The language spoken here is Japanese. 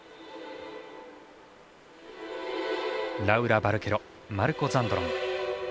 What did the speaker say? ラウラ・バルケロマルコ・ザンドロン。